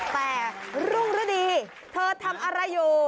แต่รุ่งฤดีเธอทำอะไรอยู่